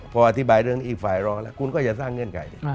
พออธิบายเรื่องนี้อีกฝ่ายร้องแล้วคุณก็จะสร้างเงื่อนไข